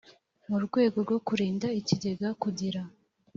mu rwego rwo kurinda ikigega kugira